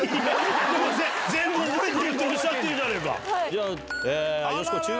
全部覚えてるっておっしゃってるじゃねぇか。